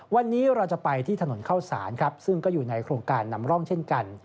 วันนี้เราจะไปที่ถนนเข้าสารครับซึ่งก็อยู่ในโครงการนำร่องเช่นกัน